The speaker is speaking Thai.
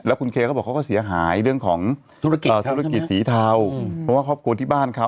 คุณเคเขาบอกเขาก็เสียหายเรื่องของธุรกิจธุรกิจสีเทาเพราะว่าครอบครัวที่บ้านเขา